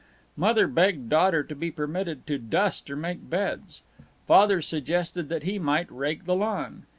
Mother begged daughter to be permitted to dust or make beds; Father suggested that he might rake the lawn.